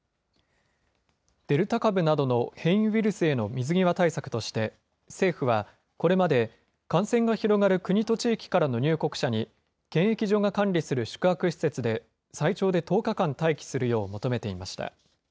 デルタ株などの変異ウイルスへの水際対策として、政府はこれまで、感染が広がる国と地域からの入国者に検疫所が管理する宿泊施設で最長で１０日間、待機するよう求めていました。